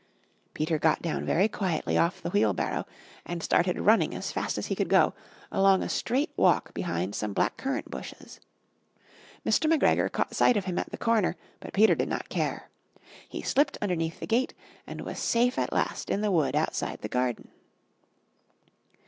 Peter got down very quietly off the wheel barrow and started running as fast as he could go, along a straight walk behind some black currant bushes. Mr. McGregor caught sight of him at the corner, but Peter did not care. He slipped underneath the gate and was safe at last in the wood outside the garden.